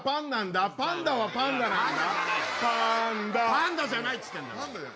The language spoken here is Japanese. パンダじゃないっつってんだよ！